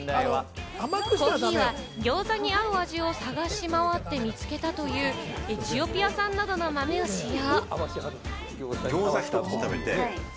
コーヒーはぎょうざに合う味を探し回って見つけたという、エチオピア産などの豆を使用。